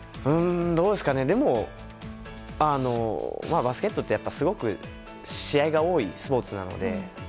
でも、バスケットってすごく試合が多いスポーツなので。